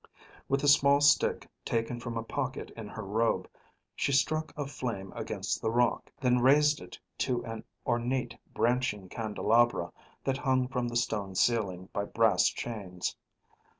With a small stick taken from a pocket in her robe, she struck a flame against the rock, then raised it to an ornate, branching candelabra that hung from the stone ceiling by brass chains.